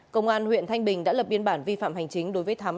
công an huyện thanh bình đã lập biên bản vi phạm hành chính đối với thắm